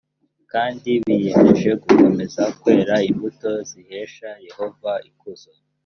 kandi biyemeje gukomeza kwera imbuto zihesha yehova ikuzo